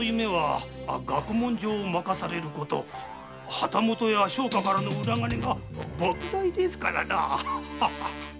旗本や商家からのウラ金がばく大ですからな。